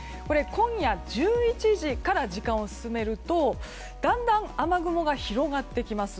今夜１１時から時間を進めるとだんだん雨雲が広がってきます。